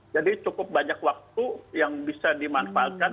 jadi cukup banyak waktu yang bisa dimanfaatkan